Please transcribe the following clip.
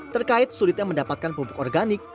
terkait sulitnya mendapatkan pupuk organik